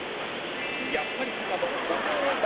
やっぱりタカもこの笑顔